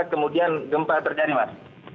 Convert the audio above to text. kemudian gempa terjadi mas